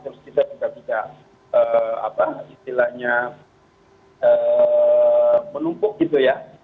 terus kita juga tidak istilahnya menumpuk gitu ya